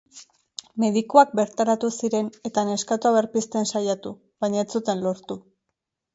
Medikuak bertaratu ziren, eta neskatoa berpizten saiatu, baina ez zuten lortu.